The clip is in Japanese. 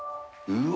うわ。